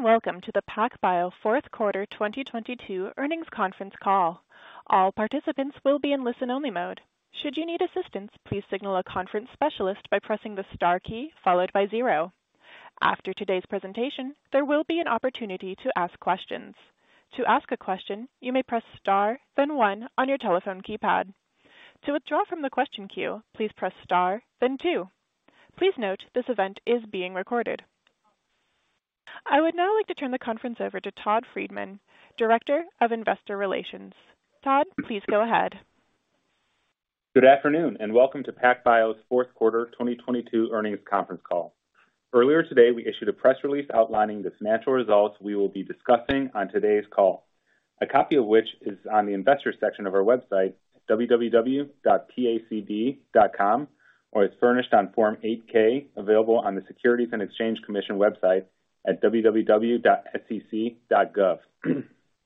Hello, welcome to the PacBio fourth quarter 2022 earnings conference call. All participants will be in listen only mode. Should you need assistance, please signal a conference specialist by pressing the star key followed by zero. After today's presentation, there will be an opportunity to ask questions. To ask a question, you may press star then one on your telephone keypad. To withdraw from the question queue, please press star then two. Please note this event is being recorded. I would now like to turn the conference over to Todd Friedman, Director of Investor Relations. Todd, please go ahead. Good afternoon, welcome to PacBio's fourth quarter 2022 earnings conference call. Earlier today, we issued a press release outlining this natural results we will be discussing on today's call. A copy of which is on the investor section of our website, www.pacd.com, or it's furnished on Form 8-K, available on the Securities and Exchange Commission website at www.sec.gov.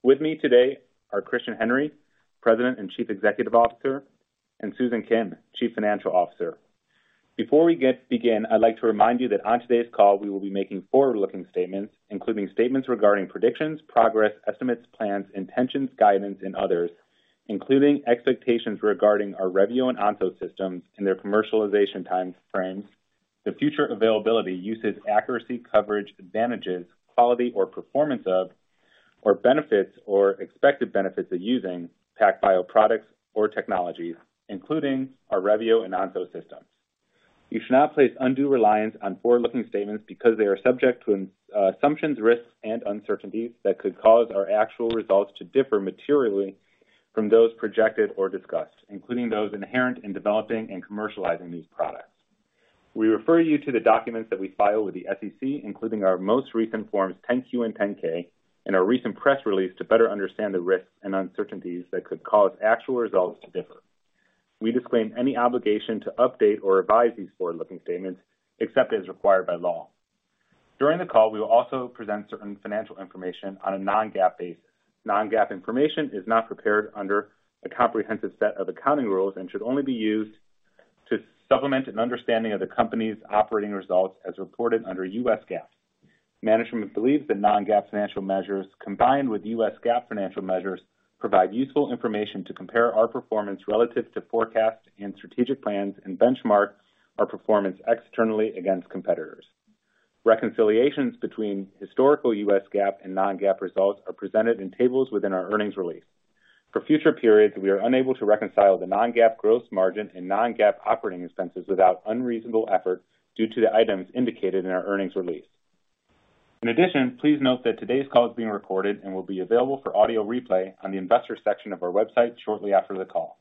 With me today are Christian Henry, President and Chief Executive Officer, and Susan Kim, Chief Financial Officer. Before we begin, I'd like to remind you that on today's call, we will be making forward-looking statements, including statements regarding predictions, progress, estimates, plans, intentions, guidance, and others, including expectations regarding our Revio and Onso systems and their commercialization timeframes, the future availability, uses, accuracy, coverage, advantages, quality or performance of, or benefits or expected benefits of using PacBio products or technologies, including our Revio and Onso systems. You should not place undue reliance on forward-looking statements because they are subject to assumptions, risks and uncertainties that could cause our actual results to differ materially from those projected or discussed, including those inherent in developing and commercializing these products. We refer you to the documents that we file with the SEC, including our most recent forms, 10-Q and 10-K, and our recent press release to better understand the risks and uncertainties that could cause actual results to differ. We disclaim any obligation to update or revise these forward-looking statements except as required by law. During the call, we will also present certain financial information on a non-GAAP basis. Non-GAAP information is not prepared under a comprehensive set of accounting rules and should only be used to supplement an understanding of the company's operating results as reported under U.S. GAAP. Management believes that non-GAAP financial measures, combined with U.S. GAAP financial measures, provide useful information to compare our performance relative to forecasts and strategic plans and benchmark our performance externally against competitors. Reconciliations between historical U.S. GAAP and non-GAAP results are presented in tables within our earnings release. For future periods, we are unable to reconcile the non-GAAP gross margin and non-GAAP operating expenses without unreasonable effort due to the items indicated in our earnings release. Please note that today's call is being recorded and will be available for audio replay on the investor section of our website shortly after the call.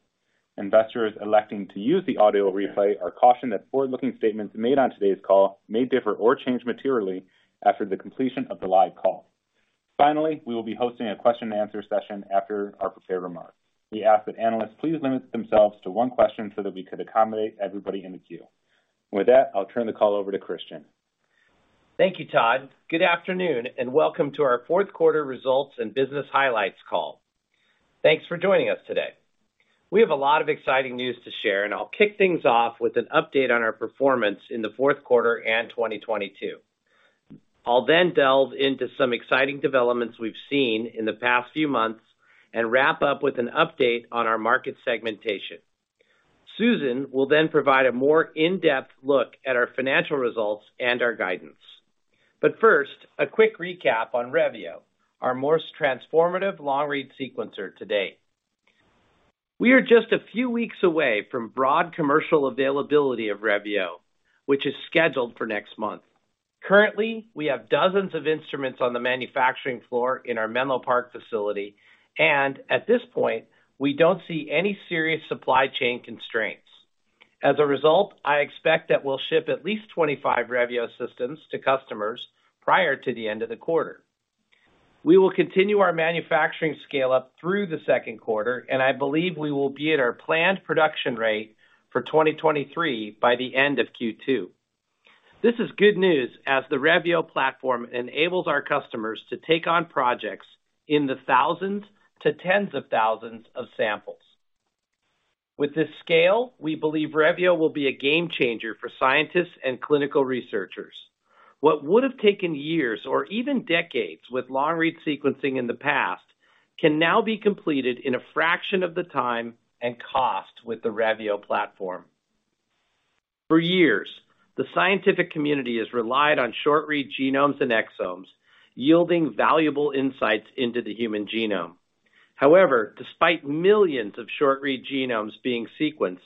Investors electing to use the audio replay are cautioned that forward-looking statements made on today's call may differ or change materially after the completion of the live call. We will be hosting a question and answer session after our prepared remarks. We ask that analysts please limit themselves to one question so that we could accommodate everybody in the queue. With that, I'll turn the call over to Christian. Thank you, Todd. Good afternoon, welcome to our fourth quarter results and business highlights call. Thanks for joining us today. We have a lot of exciting news to share, I'll kick things off with an update on our performance in the fourth quarter and 2022. I'll delve into some exciting developments we've seen in the past few months and wrap up with an update on our market segmentation. Susan will provide a more in-depth look at our financial results and our guidance. First, a quick recap on Revio, our most transformative long-read sequencer to date. We are just a few weeks away from broad commercial availability of Revio, which is scheduled for next month. Currently, we have dozens of instruments on the manufacturing floor in our Menlo Park facility, at this point, we don't see any serious supply chain constraints. I expect that we'll ship at least 25 Revio systems to customers prior to the end of the quarter. We will continue our manufacturing scale up through the second quarter. I believe we will be at our planned production rate for 2023 by the end of Q2. This is good news as the Revio platform enables our customers to take on projects in the thousands to tens of thousands of samples. With this scale, we believe Revio will be a game changer for scientists and clinical researchers. What would have taken years or even decades with long read sequencing in the past, can now be completed in a fraction of the time and cost with the Revio platform. For years, the scientific community has relied on short read genomes and exomes, yielding valuable insights into the human genome. Despite millions of short-read genomes being sequenced,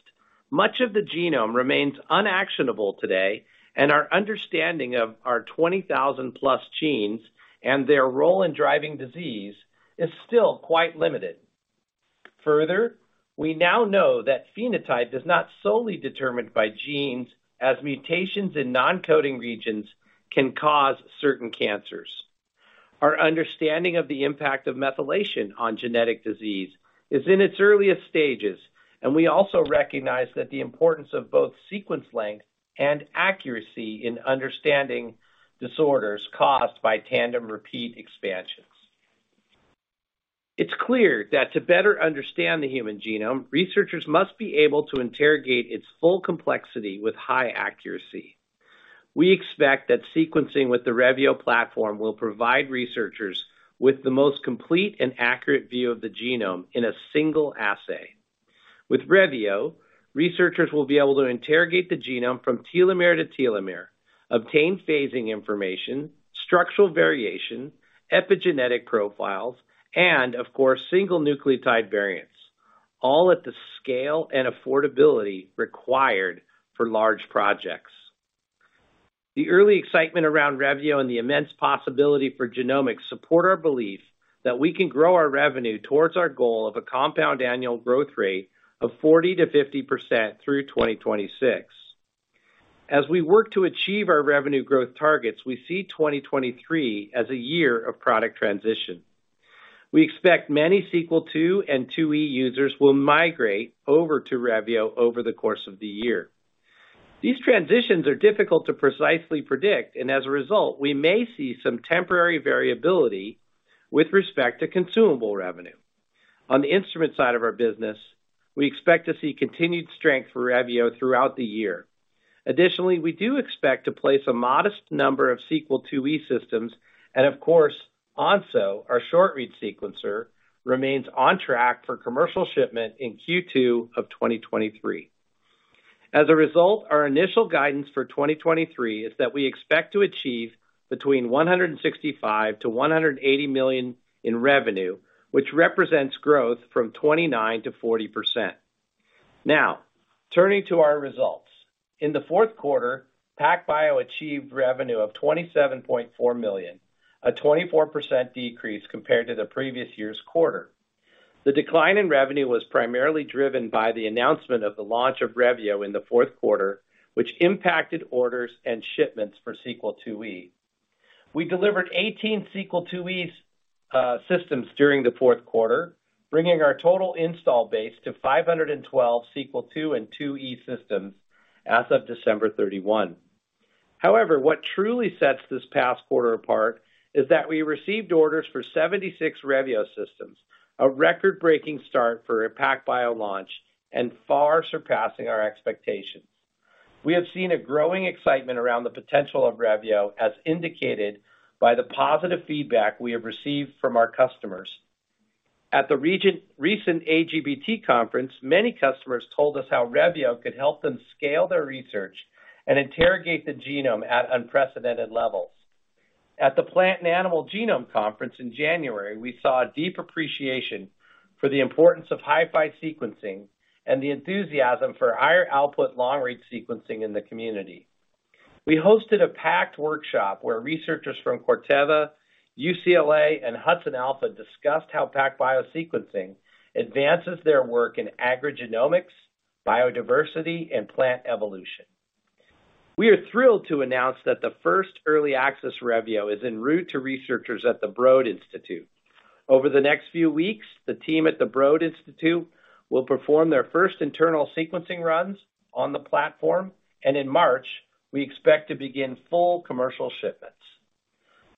much of the genome remains unactionable today, and our understanding of our 20,000 plus genes and their role in driving disease is still quite limited. We now know that phenotype is not solely determined by genes, as mutations in non-coding regions can cause certain cancers. Our understanding of the impact of methylation on genetic disease is in its earliest stages, we also recognize that the importance of both sequence length and accuracy in understanding disorders caused by tandem repeat expansion. It's clear that to better understand the human genome, researchers must be able to interrogate its full complexity with high accuracy. We expect that sequencing with the Revio platform will provide researchers with the most complete and accurate view of the genome in a single assay. With Revio, researchers will be able to interrogate the genome from telomere-to-telomere, obtain phasing information, structural variation, epigenetic profiles, and of course, single nucleotide variants, all at the scale and affordability required for large projects. The early excitement around Revio and the immense possibility for genomics support our belief that we can grow our revenue towards our goal of a compound annual growth rate of 40% to 50% through 2026. As we work to achieve our revenue growth targets, we see 2023 as a year of product transition. We expect many Sequel II and IIe users will migrate over to Revio over the course of the year. These transitions are difficult to precisely predict, and as a result, we may see some temporary variability with respect to consumable revenue. On the instrument side of our business, we expect to see continued strength for Revio throughout the year. Additionally, we do expect to place a modest number of Sequel IIe systems, and of course, Onso, our short read sequencer, remains on track for commercial shipment in Q2 of 2023. As a result, our initial guidance for 2023 is that we expect to achieve between $165 million-$180 million in revenue, which represents growth from 29%-40%. Turning to our results. In the fourth quarter, PacBio achieved revenue of $27.4 million, a 24% decrease compared to the previous year's quarter. The decline in revenue was primarily driven by the announcement of the launch of Revio in the fourth quarter, which impacted orders and shipments for Sequel IIe. We delivered 18 Sequel IIe systems during the fourth quarter, bringing our total install base to 512 Sequel II and IIe systems as of December 31. However, what truly sets this past quarter apart is that we received orders for 76 Revio systems, a record-breaking start for a PacBio launch, and far surpassing our expectations. We have seen a growing excitement around the potential of Revio, as indicated by the positive feedback we have received from our customers. At the recent AGBT conference, many customers told us how Revio could help them scale their research and interrogate the genome at unprecedented levels. At the Plant and Animal Genome conference in January, we saw a deep appreciation for the importance of HiFi sequencing and the enthusiasm for higher output long-read sequencing in the community. We hosted a packed workshop where researchers from Corteva, UCLA, and HudsonAlpha discussed how PacBio sequencing advances their work in agrigenomics, biodiversity, and plant evolution. We are thrilled to announce that the first early access Revio is en route to researchers at the Broad Institute. Over the next few weeks, the team at the Broad Institute will perform their first internal sequencing runs on the platform, and in March, we expect to begin full commercial shipments.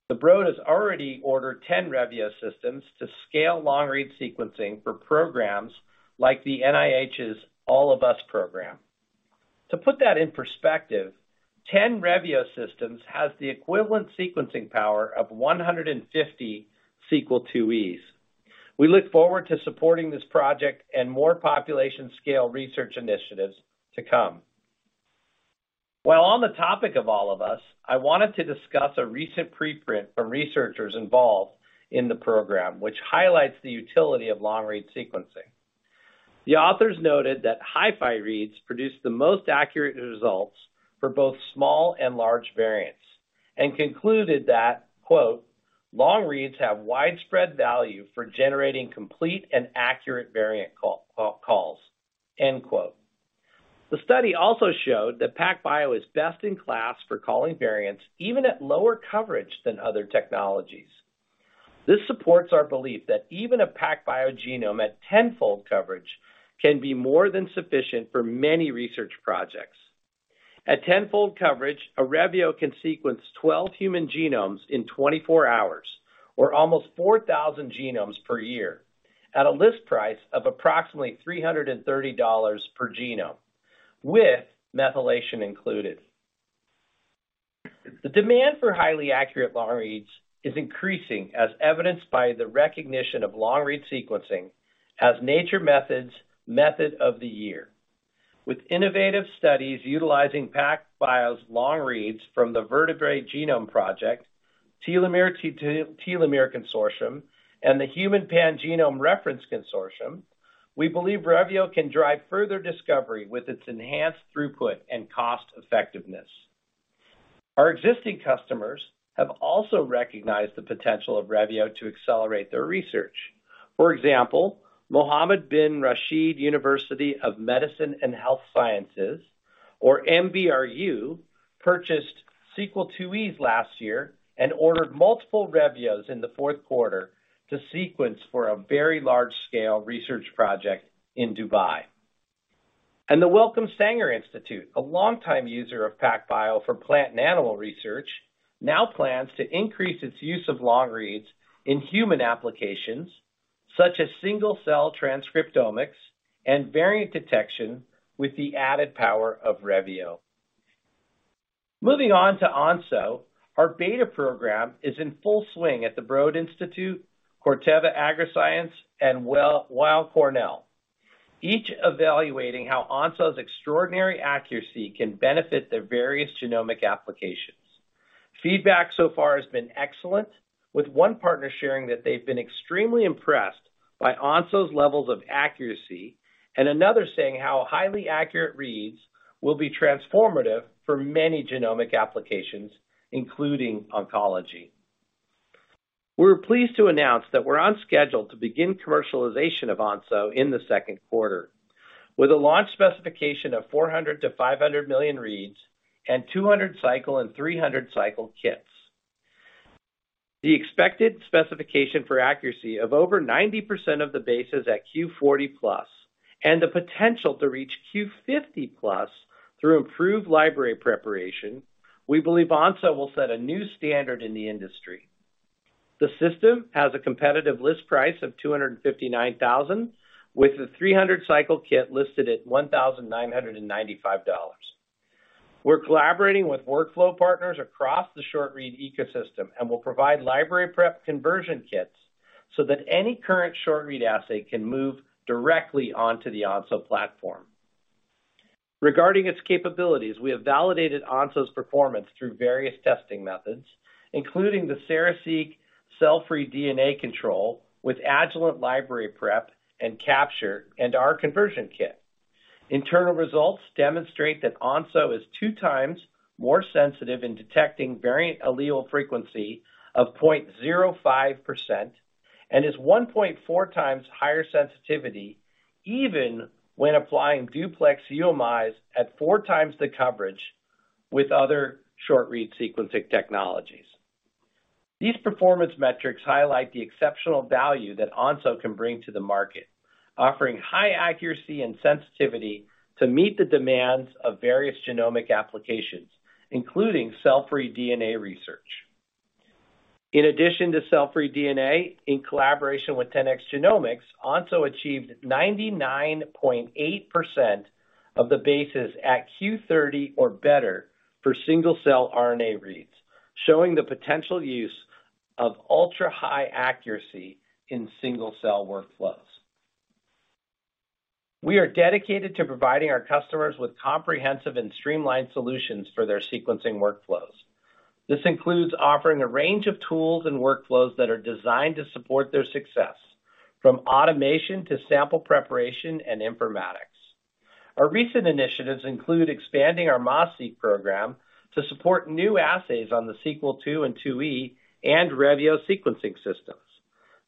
The Broad has already ordered 10 Revio systems to scale long-read sequencing for programs like the NIH's All of Us program. To put that in perspective, 10 Revio systems has the equivalent sequencing power of 150 Sequel IIes. We look forward to supporting this project and more population scale research initiatives to come. While on the topic of All of Us, I wanted to discuss a recent preprint from researchers involved in the program, which highlights the utility of long-read sequencing. The authors noted that HiFi reads produced the most accurate results for both small and large variants, and concluded that, quote, "Long reads have widespread value for generating complete and accurate variant calls," end quote. The study showed that PacBio is best in class for calling variants even at lower coverage than other technologies. This supports our belief that even a PacBio genome at tenfold coverage can be more than sufficient for many research projects. At tenfold coverage, a Revio can sequence 12 human genomes in 24 hours or almost 4,000 genomes per year at a list price of approximately $330 per genome, with methylation included. The demand for highly accurate long reads is increasing as evidenced by the recognition of long read sequencing as Nature Method's Method of the Year. With innovative studies utilizing PacBio's long reads from the Vertebrate Genomes Project, Telomere-to-Telomere Consortium, and the Human Pangenome Reference Consortium, we believe Revio can drive further discovery with its enhanced throughput and cost effectiveness. Our existing customers have also recognized the potential of Revio to accelerate their research. For example, Mohammed Bin Rashid University of Medicine and Health Sciences, or MBRU, purchased Sequel IIes last year and ordered multiple Revios in the fourth quarter to sequence for a very large-scale research project in Dubai. The Wellcome Sanger Institute, a long time user of PacBio for plant and animal research, now plans to increase its use of long reads in human applications such as single-cell transcriptomics and variant detection with the added power of Revio. Moving on to Onso, our beta program is in full swing at the Broad Institute, Corteva Agriscience and Weill Cornell, each evaluating how Onso's extraordinary accuracy can benefit their various genomic applications. Feedback so far has been excellent, with one partner sharing that they've been extremely impressed by Onso's levels of accuracy, and another saying how highly accurate reads will be transformative for many genomic applications, including oncology. We're pleased to announce that we're on schedule to begin commercialization of Onso in the second quarter with a launch specification of 400 million-500 million reads and 200 cycle and 300 cycle kits. The expected specification for accuracy of over 90% of the bases at Q40 plus, and the potential to reach Q50 plus through improved library preparation, we believe Onso will set a new standard in the industry. The system has a competitive list price of $259,000, with the 300 cycle kit listed at $1,995. We're collaborating with workflow partners across the short read ecosystem and will provide library prep conversion kits so that any current short read assay can move directly onto the Onso platform. Regarding its capabilities, we have validated Onso's performance through various testing methods, including the Seraseq cell-free DNA control with Agilent library prep and capture, and our conversion kit. Internal results demonstrate that Onso is 2 times more sensitive in detecting Variant Allele Frequency of 0.05%, and is 1.4 times higher sensitivity even when applying duplex UMIs at 4 times the coverage with other short read sequencing technologies. These performance metrics highlight the exceptional value that Onso can bring to the market, offering high accuracy and sensitivity to meet the demands of various genomic applications, including cell-free DNA research. In addition to cell-free DNA, in collaboration with TenX Genomics, Onso achieved 99.8% of the bases at Q30 or better for single-cell RNA reads, showing the potential use of ultra-high accuracy in single-cell workflows. We are dedicated to providing our customers with comprehensive and streamlined solutions for their sequencing workflows. This includes offering a range of tools and workflows that are designed to support their success, from automation to sample preparation and informatics. Our recent initiatives include expanding our MAS-Seq program to support new assays on the Sequel II and IIe, and Revio sequencing systems.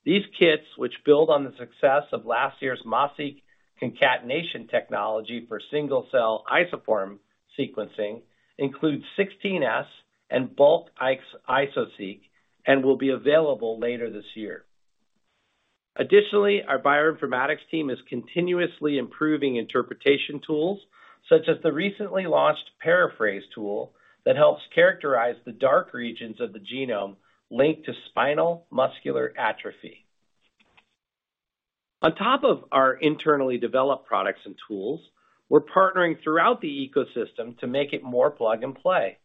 These kits, which build on the success of last year's MAS-Seq concatenation technology for single cell isoform sequencing, includes 16S and bulk Iso-Seq and will be available later this year. Our bioinformatics team is continuously improving interpretation tools such as the recently launched Paraphase tool that helps characterize the dark regions of the genome linked to spinal muscular atrophy. On top of our internally developed products and tools, we're partnering throughout the ecosystem to make it more plug and play.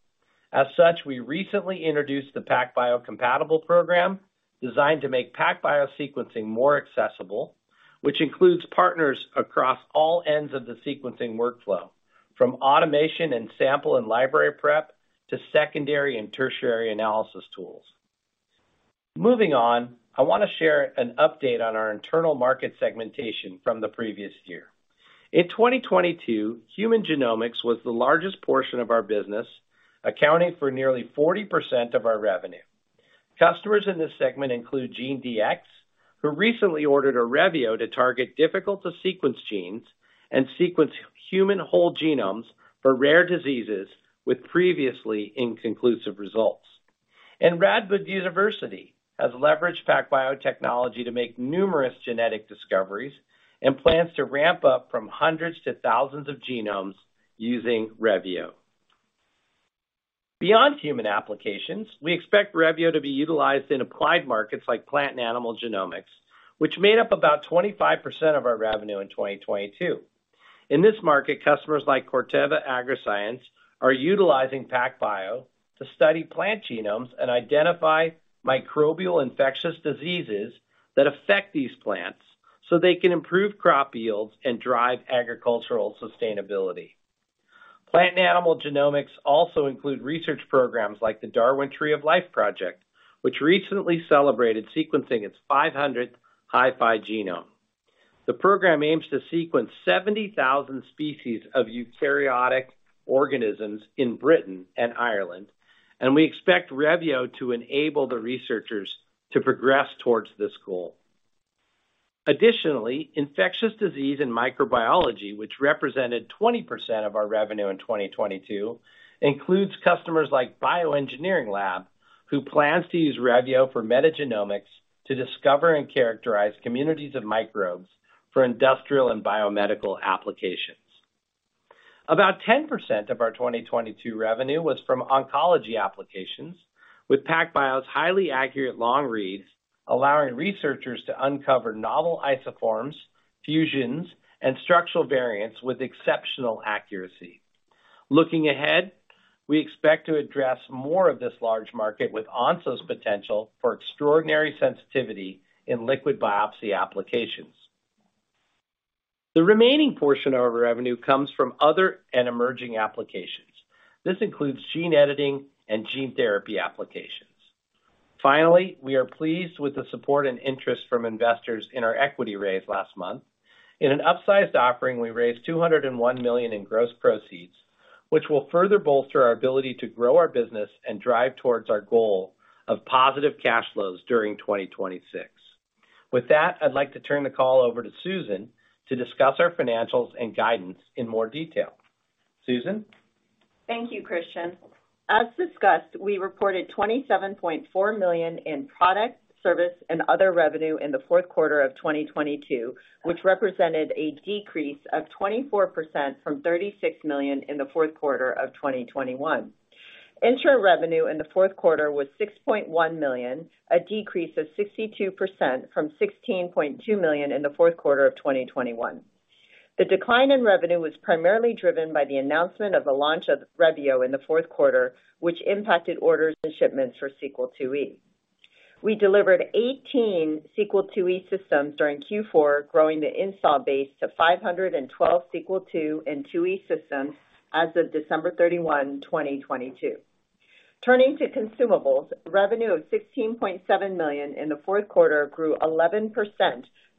As such, we recently introduced the PacBio Compatible program, designed to make PacBio sequencing more accessible, which includes partners across all ends of the sequencing workflow, from automation and sample and library prep to secondary and tertiary analysis tools. Moving on, I want to share an update on our internal market segmentation from the previous year. In 2022, human genomics was the largest portion of our business, accounting for nearly 40% of our revenue. Customers in this segment include GeneDx, who recently ordered a Revio to target difficult to sequence genes and sequence human whole genomes for rare diseases with previously inconclusive results. Radboud University has leveraged PacBio technology to make numerous genetic discoveries, and plans to ramp up from hundreds to thousands of genomes using Revio. Beyond human applications, we expect Revio to be utilized in applied markets like plant and animal genomics, which made up about 25% of our revenue in 2022. In this market, customers like Corteva Agriscience are utilizing PacBio to study plant genomes and identify microbial infectious diseases that affect these plants. They can improve crop yields and drive agricultural sustainability. Plant and animal genomics also include research programs like the Darwin Tree of Life project, which recently celebrated sequencing its 500th HiFi genome. The program aims to sequence 70,000 species of eukaryotic organisms in Britain and Ireland. We expect Revio to enable the researchers to progress towards this goal. Infectious disease and microbiology, which represented 20% of our revenue in 2022, includes customers like Bioengineering Lab, who plans to use Revio for metagenomics to discover and characterize communities of microbes for industrial and biomedical applications. About 10% of our 2022 revenue was from oncology applications, with PacBio's highly accurate long reads, allowing researchers to uncover novel isoforms, fusions, and structural variants with exceptional accuracy. Looking ahead, we expect to address more of this large market with Onso's potential for extraordinary sensitivity in liquid biopsy applications. The remaining portion of our revenue comes from other and emerging applications. This includes gene editing and gene therapy applications. We are pleased with the support and interest from investors in our equity raise last month. In an upsized offering, we raised $201 million in gross proceeds, which will further bolster our ability to grow our business and drive towards our goal of positive cash flows during 2026. With that, I'd like to turn the call over to Susan to discuss our financials and guidance in more detail. Susan? Thank you, Christian. As discussed, we reported $27.4 million in product, service, and other revenue in the fourth quarter of 2022, which represented a decrease of 24% from $36 million in the fourth quarter of 2021. Inter-revenue in the fourth quarter was $6.1 million, a decrease of 62% from $16.2 million in the fourth quarter of 2021. The decline in revenue was primarily driven by the announcement of the launch of Revio in the fourth quarter, which impacted orders and shipments for Sequel IIe. We delivered 18 Sequel IIe systems during Q4, growing the install base to 512 Sequel II and IIe systems as of December 31, 2022. Turning to consumables, revenue of $16.7 million in the fourth quarter grew 11%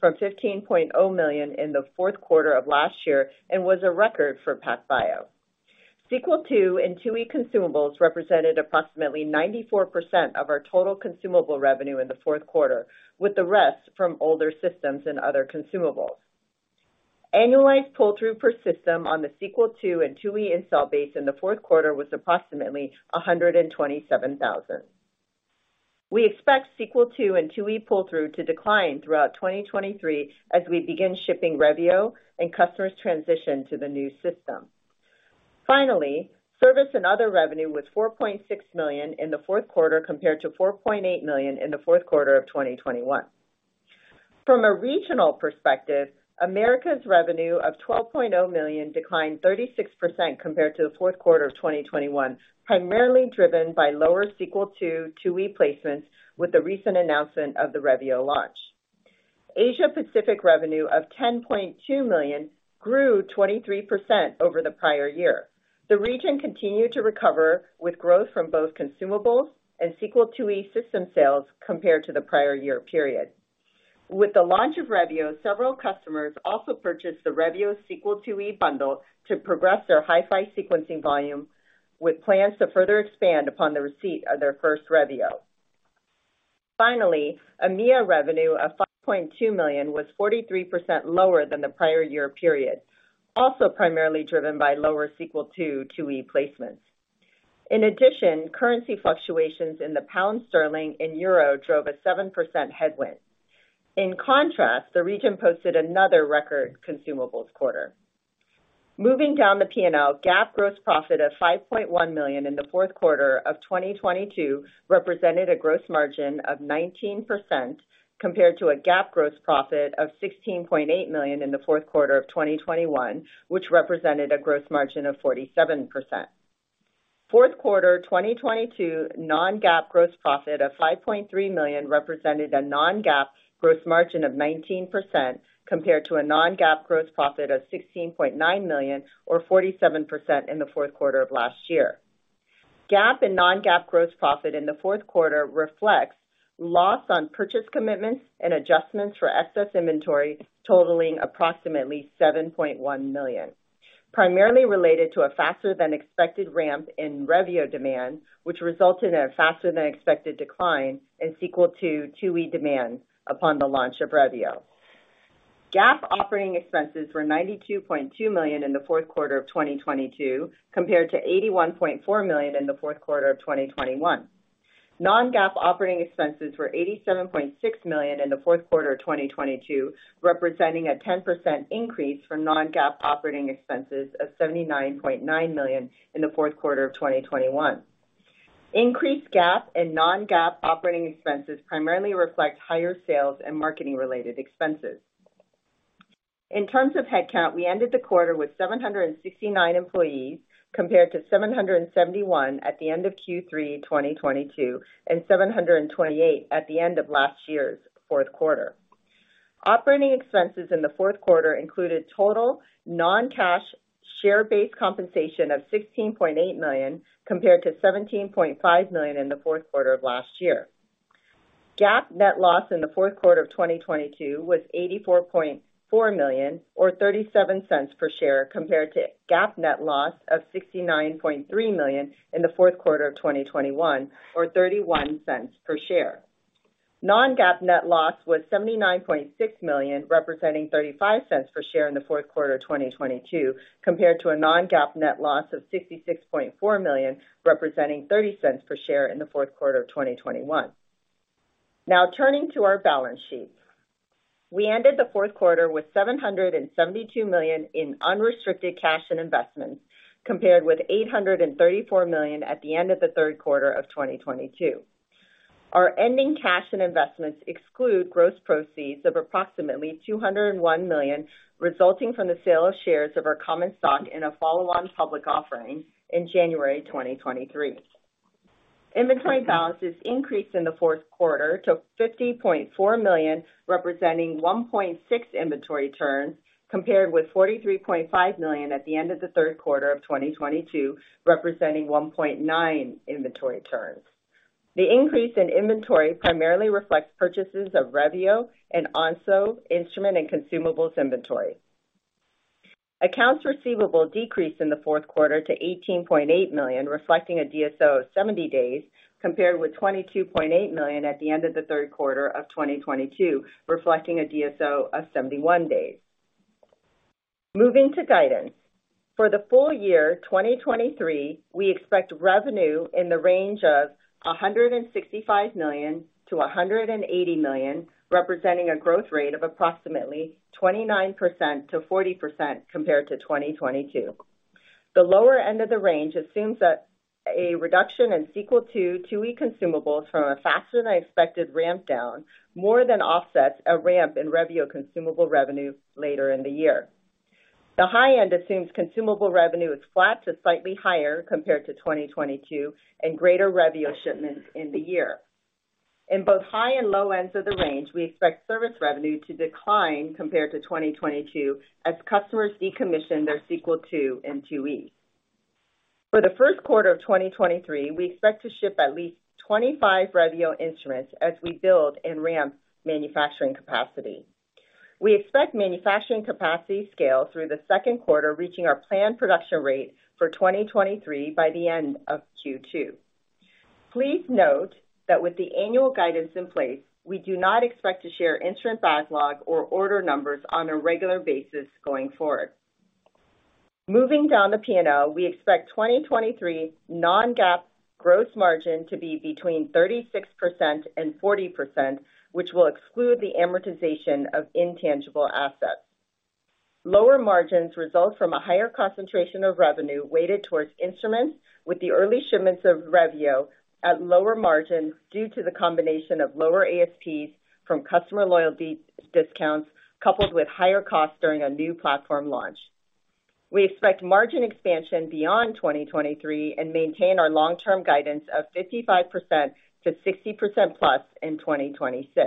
from $15.0 million in the fourth quarter of last year and was a record for PacBio. Sequel II and IIe consumables represented approximately 94% of our total consumable revenue in the fourth quarter, with the rest from older systems and other consumables. Annualized pull-through per system on the Sequel II and IIe install base in the fourth quarter was approximately $127,000. We expect Sequel II and IIe pull-through to decline throughout 2023 as we begin shipping Revio and customers transition to the new system. Finally, service and other revenue was $4.6 million in the fourth quarter compared to $4.8 million in the fourth quarter of 2021. From a regional perspective, America's revenue of $12.0 million declined 36% compared to the fourth quarter of 2021, primarily driven by lower Sequel IIe placements with the recent announcement of the Revio launch. Asia Pacific revenue of $10.2 million grew 23% over the prior year. The region continued to recover with growth from both consumables and Sequel IIe system sales compared to the prior year period. With the launch of Revio, several customers also purchased the Revio Sequel IIe bundle to progress their HiFi sequencing volume with plans to further expand upon the receipt of their first Revio. EMEIA revenue of $5.2 million was 43% lower than the prior year period, also primarily driven by lower Sequel IIe placements. Currency fluctuations in the pound sterling and euro drove a 7% headwind. The region posted another record consumables quarter. Moving down the P&L, GAAP gross profit of $5.1 million in the fourth quarter of 2022 represented a gross margin of 19% compared to a GAAP gross profit of $16.8 million in the fourth quarter of 2021, which represented a gross margin of 47%. Fourth quarter 2022 non-GAAP gross profit of $5.3 million represented a non-GAAP gross margin of 19% compared to a non-GAAP gross profit of $16.9 million or 47% in the fourth quarter of last year. GAAP and non-GAAP gross profit in the fourth quarter reflects loss on purchase commitments and adjustments for excess inventory, totaling approximately $7.1 million, primarily related to a faster than expected ramp in Revio demand, which resulted in a faster than expected decline in Sequel IIe demand upon the launch of Revio. GAAP operating expenses were $92.2 million in the fourth quarter of 2022, compared to $81.4 million in the fourth quarter of 2021. Non-GAAP operating expenses were $87.6 million in the fourth quarter of 2022, representing a 10% increase from non-GAAP operating expenses of $79.9 million in the fourth quarter of 2021. Increased GAAP and non-GAAP operating expenses primarily reflect higher sales and marketing related expenses. In terms of headcount, we ended the quarter with 769 employees, compared to 771 at the end of Q3 2022, and 728 at the end of last year's fourth quarter. Operating expenses in the fourth quarter included total non-cash share-based compensation of $16.8 million, compared to $17.5 million in the fourth quarter of last year. GAAP net loss in the fourth quarter of 2022 was $84.4 million or $0.37 per share, compared to GAAP net loss of $69.3 million in the fourth quarter of 2021 or $0.31 per share. Non-GAAP net loss was $79.6 million, representing $0.35 per share in the fourth quarter of 2022, compared to a non-GAAP net loss of $66.4 million, representing $0.30 per share in the fourth quarter of 2021. Turning to our balance sheet. We ended the fourth quarter with $772 million in unrestricted cash and investments, compared with $834 million at the end of the third quarter of 2022. Our ending cash and investments exclude gross proceeds of approximately $201 million, resulting from the sale of shares of our common stock in a follow-on public offering in January 2023. Inventory balances increased in the fourth quarter to $50.4 million, representing 1.6 inventory turns, compared with $43.5 million at the end of the third quarter of 2022, representing 1.9 inventory turns. The increase in inventory primarily reflects purchases of Revio and Onso instrument and consumables inventory. Accounts receivable decreased in the fourth quarter to $18.8 million, reflecting a DSO of 70 days, compared with $22.8 million at the end of the third quarter of 2022, reflecting a DSO of 71 days. Moving to guidance. For the full year 2023, we expect revenue in the range of $165 million-$180 million, representing a growth rate of approximately 29%-40% compared to 2022. The lower end of the range assumes that a reduction in Sequel II, IIe consumables from a faster than expected ramp down more than offsets a ramp in Revio consumable revenue later in the year. The high end assumes consumable revenue is flat to slightly higher compared to 2022 and greater Revio shipments in the year. In both high and low ends of the range, we expect service revenue to decline compared to 2022 as customers decommission their Sequel II and IIe. For the first quarter of 2023, we expect to ship at least 25 Revio instruments as we build and ramp manufacturing capacity. We expect manufacturing capacity scale through the second quarter, reaching our planned production rate for 2023 by the end of Q2. Please note that with the annual guidance in place, we do not expect to share instrument backlog or order numbers on a regular basis going forward. Moving down the P&L, we expect 2023 non-GAAP gross margin to be between 36% and 40%, which will exclude the amortization of intangible assets. Lower margins result from a higher concentration of revenue weighted towards instruments, with the early shipments of Revio at lower margins due to the combination of lower ASPs from customer loyalty discounts, coupled with higher costs during a new platform launch. We expect margin expansion beyond 2023 and maintain our long-term guidance of 55%-60% plus in 2026.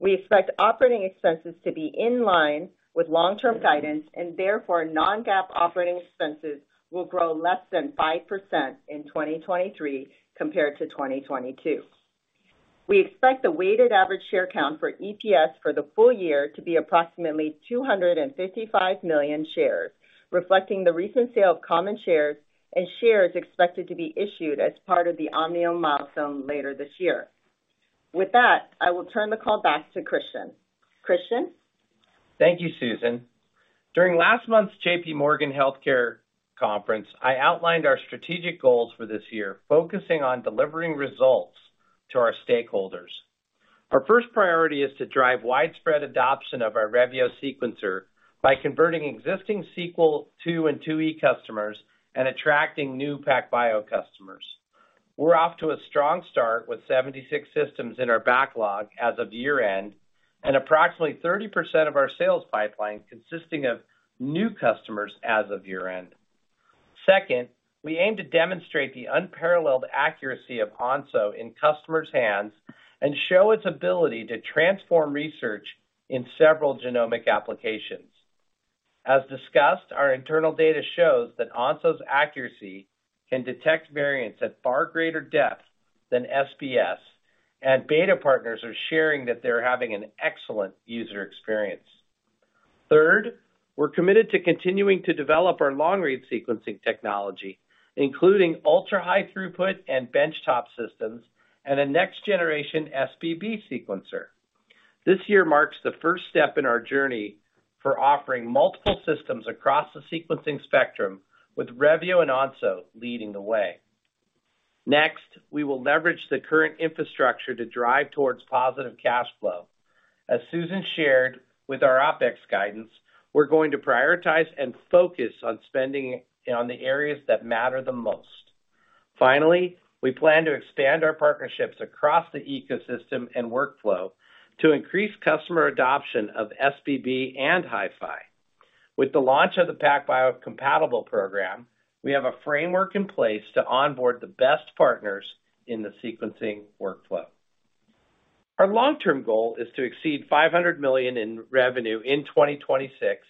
We expect operating expenses to be in line with long-term guidance, and therefore, non-GAAP operating expenses will grow less than 5% in 2023 compared to 2022. We expect the weighted average share count for EPS for the full year to be approximately 255 million shares, reflecting the recent sale of common shares and shares expected to be issued as part of the Omnium milestone later this year. With that, I will turn the call back to Christian. Christian? Thank you, Susan. During last month's JPMorgan Healthcare Conference, I outlined our strategic goals for this year, focusing on delivering results to our stakeholders. Our first priority is to drive widespread adoption of our Revio sequencer by converting existing Sequel II and IIe customers and attracting new PacBio customers. We're off to a strong start with 76 systems in our backlog as of year-end, and approximately 30% of our sales pipeline consisting of new customers as of year-end. Second, we aim to demonstrate the unparalleled accuracy of Onso in customers' hands and show its ability to transform research in several genomic applications. As discussed, our internal data shows that Onso's accuracy can detect variants at far greater depth than SBS, and beta partners are sharing that they're having an excellent user experience. Third, we're committed to continuing to develop our long-read sequencing technology, including ultra-high throughput and benchtop systems, and a next-generation SBB sequencer. This year marks the first step in our journey for offering multiple systems across the sequencing spectrum, with Revio and Onso leading the way. We will leverage the current infrastructure to drive towards positive cash flow. As Susan shared with our OpEx guidance, we're going to prioritize and focus on spending on the areas that matter the most. We plan to expand our partnerships across the ecosystem and workflow to increase customer adoption of SBB and HiFi. With the launch of the PacBio Compatible Program, we have a framework in place to onboard the best partners in the sequencing workflow. Our long-term goal is to exceed $500 million in revenue in 2026.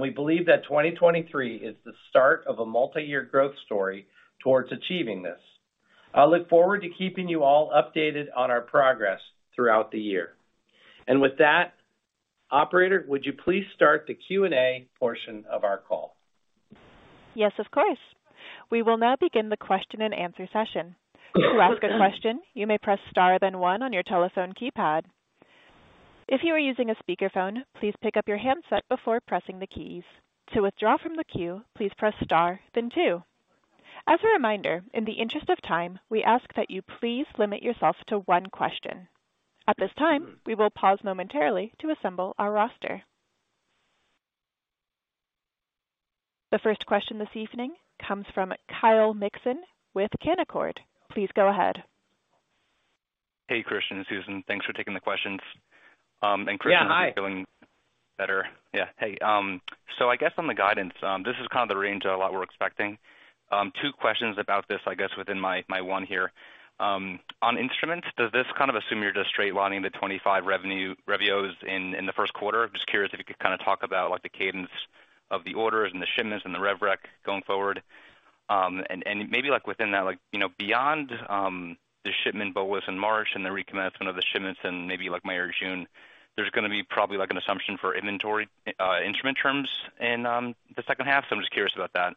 We believe that 2023 is the start of a multi-year growth story towards achieving this. I look forward to keeping you all updated on our progress throughout the year. With that, operator, would you please start the Q&A portion of our call? Yes, of course. We will now begin the question and answer session. To ask a question, you may press Star then 1 on your telephone keypad. If you are using a speakerphone, please pick up your handset before pressing the keys. To withdraw from the queue, please press Star then two. As a reminder, in the interest of time, we ask that you please limit yourself to one question. At this time, we will pause momentarily to assemble our roster. The first question this evening comes from Kyle Mikson with Canaccord. Please go ahead. Hey, Christian and Susan, thanks for taking the questions. Yeah, hi. Hope you're feeling better. Yeah. Hey, I guess on the guidance, this is kind of the range a lot we're expecting. Two questions about this, I guess, within my one here. On instruments, does this kind of assume you're just straight lining the 25 Revios in the first quarter? Just curious if you could kind of talk about like the cadence of the orders and the shipments and the rev rec going forward? Maybe like within that like, you know, beyond the shipment bullish in March and the recommencement of the shipments and maybe like May or June, there's gonna be probably like an assumption for inventory instrument terms in the second half. I'm just curious about that.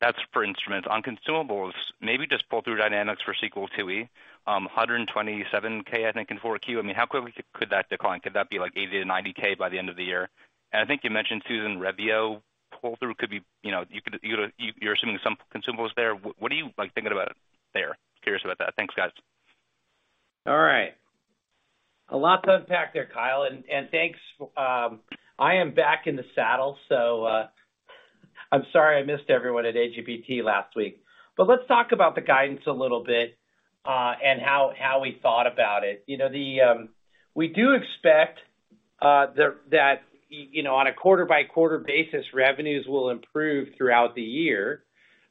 That's for instruments. On consumables, maybe just pull through dynamics for Sequel IIe. $127K, I think in four Q. I mean, how quick could that decline? Could that be like $80K-$90K by the end of the year? I think you mentioned Susan Revio pull-through could be, you know, you're assuming some consumables there. What are you like thinking about there? Curious about that. Thanks, guys. All right. A lot to unpack there, Kyle. Thanks. I am back in the saddle. So, I'm sorry I missed everyone at AGBT last week. Let's talk about the guidance a little bit, and how we thought about it. You know, the, we do expect, that, you know, on a quarter by quarter basis, revenues will improve throughout the year.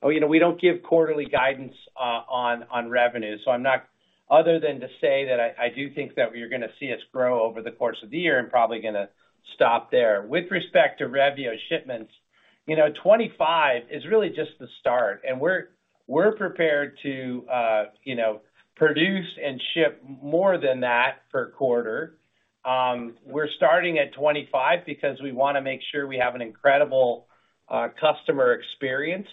You know, we don't give quarterly guidance on revenue, so I'm not other than to say that I do think that you're gonna see us grow over the course of the year and probably gonna stop there. With respect to Revio shipments, you know, 25 is really just the start, and we're prepared to, you know, produce and ship more than that per quarter. We're starting at 25 because we wanna make sure we have an incredible customer experience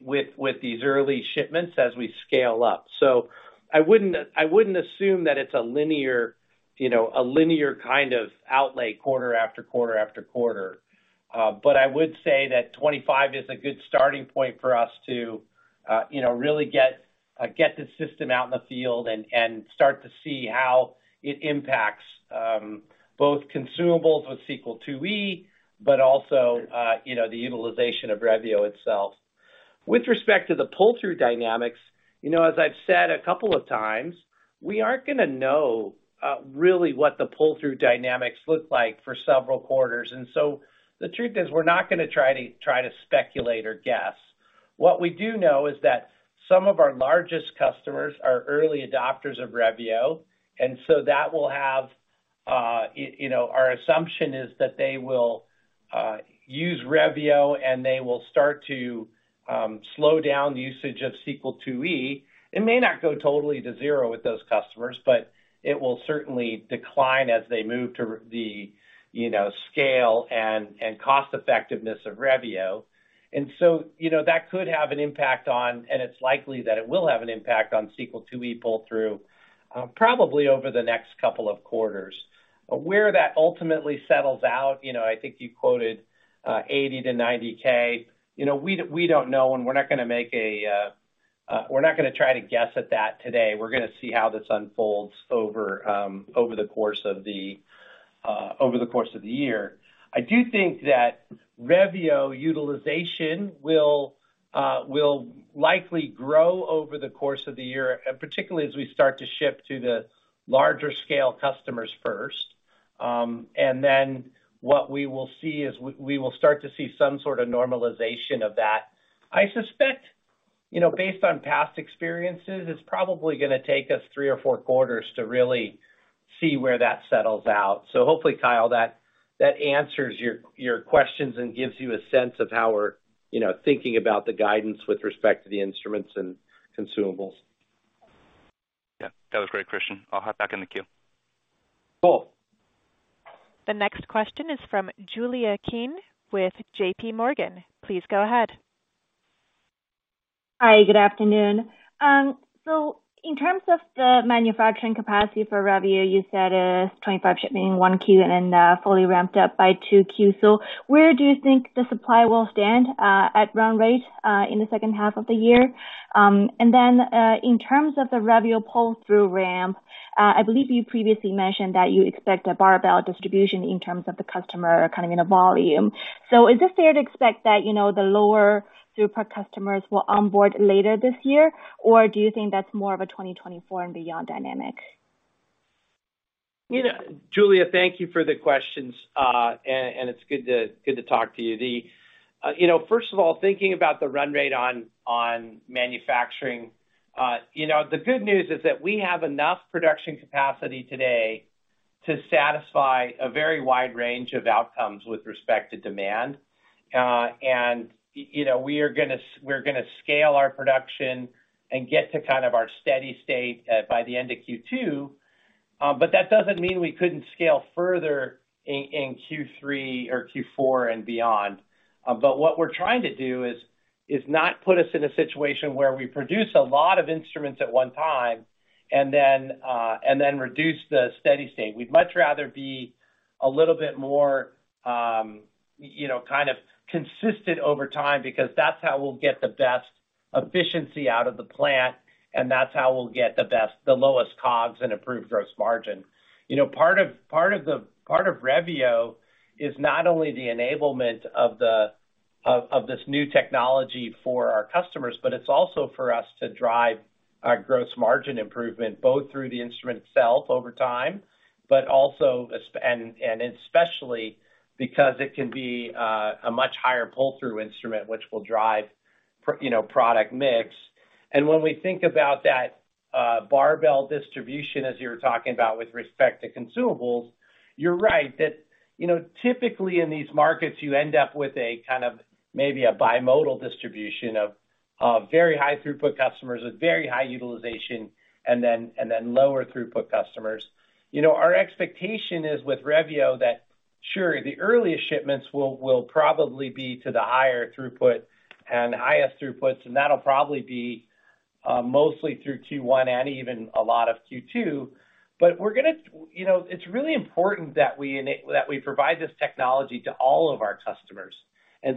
with these early shipments as we scale up. I wouldn't, I wouldn't assume that it's a linear, you know, a linear kind of outlay quarter after quarter after quarter. I would say that 25 is a good starting point for us to, you know, really get the system out in the field and start to see how it impacts both consumables with Sequel IIe, but also, you know, the utilization of Revio itself. With respect to the pull-through dynamics, you know, as I've said a couple of times, we aren't gonna know really what the pull-through dynamics look like for several quarters, the truth is we're not gonna try to speculate or guess. What we do know is that some of our largest customers are early adopters of Revio, and so that will have, you know, our assumption is that they will use Revio, and they will start to slow down the usage of Sequel IIe. It may not go totally to zero with those customers, but it will certainly decline as they move to the, you know, scale and cost effectiveness of Revio. You know, that could have an impact on, and it's likely that it will have an impact on Sequel IIe pull-through, probably over the next couple of quarters. Where that ultimately settles out, you know, I think you quoted 80-90K. You know, we don't know, and we're not gonna make a, we're not gonna try to guess at that today. We're gonna see how this unfolds over the course of the year. I do think that Revio utilization will likely grow over the course of the year, and particularly as we start to ship to the larger scale customers first. What we will see is we will start to see some sort of normalization of that. I suspect, you know, based on past experiences, it's probably gonna take us three or four quarters to really see where that settles out. Hopefully, Kyle, that answers your questions and gives you a sense of how we're, you know, thinking about the guidance with respect to the instruments and consumables. Yeah, that was great, Christian. I'll hop back in the queue. Cool. The next question is from Julia Qin with JPMorgan. Please go ahead. Hi, good afternoon. In terms of the manufacturing capacity for Revio, you said, 25 shipping in 1Q and then, fully ramped up by 2Q. Where do you think the supply will stand, at run rate, in the second half of the year? And then, in terms of the Revio pull-through ramp, I believe you previously mentioned that you expect a barbell distribution in terms of the customer kind of in a volume. Is it fair to expect that, you know, the lower throughput customers will onboard later this year, or do you think that's more of a 2024 and beyond dynamic? You know, Julia, thank you for the questions. It's good to talk to you. You know, first of all, thinking about the run rate on manufacturing, you know, the good news is that we have enough production capacity today to satisfy a very wide range of outcomes with respect to demand. You know, we are gonna we're gonna scale our production and get to kind of our steady state by the end of Q2. That doesn't mean we couldn't scale further in Q3 or Q4 and beyond. What we're trying to do is not put us in a situation where we produce a lot of instruments at one time and then reduce the steady state. We'd much rather be a little bit more, you know, kind of consistent over time because that's how we'll get the best efficiency out of the plant, and that's how we'll get the lowest COGS and improved gross margin. You know, part of Revio is not only the enablement of this new technology for our customers, but it's also for us to drive our gross margin improvement, both through the instrument itself over time, but also and especially because it can be a much higher pull-through instrument which will drive product mix. When we think about that, barbell distribution, as you were talking about with respect to consumables, you're right that, you know, typically in these markets, you end up with a kind of maybe a bimodal distribution of, very high throughput customers with very high utilization and then lower throughput customers. You know, our expectation is with Revio that sure, the earliest shipments will probably be to the higher throughput and highest throughputs, and that'll probably be, mostly through Q1 and even a lot of Q2. We're gonna... You know, it's really important that we provide this technology to all of our customers.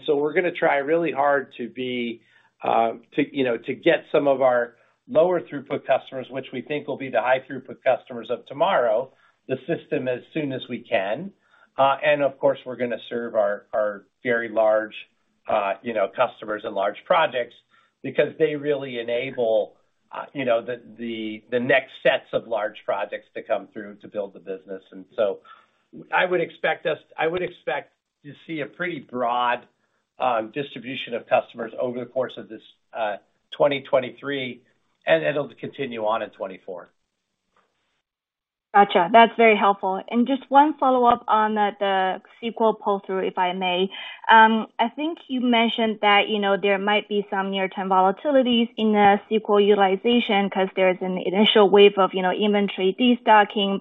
We're gonna try really hard to be, to, you know, to get some of our lower throughput customers, which we think will be the high throughput customers of tomorrow, the system as soon as we can. Of course, we're gonna serve our very large, you know, customers and large projects because they really enable, you know, the, the next sets of large projects to come through to build the business. I would expect to see a pretty broad, distribution of customers over the course of this, 2023, and it'll continue on in 2024. Gotcha. That's very helpful. Just one follow-up on the Sequel pull-through, if I may. I think you mentioned that, you know, there might be some near-term volatilities in the Sequel utilization 'cause there's an initial wave of, you know, inventory destocking.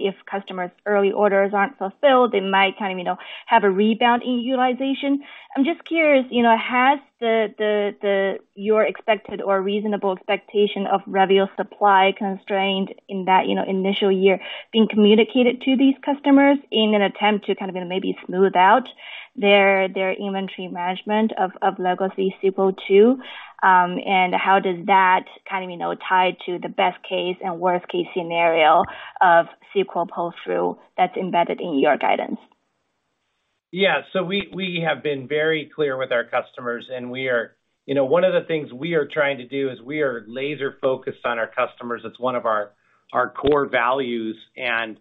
If customers' early orders aren't fulfilled, they might kind of, you know, have a rebound in utilization. I'm just curious, you know, has the your expected or reasonable expectation of Revio supply constraint in that, you know, initial year been communicated to these customers in an attempt to kind of maybe smooth out their inventory management of Legacy Sequel II? How does that kind of, you know, tie to the best case and worst case scenario of Sequel pull-through that's embedded in your guidance? We have been very clear with our customers, and we are. You know, one of the things we are trying to do is we are laser-focused on our customers. It's one of our core values, and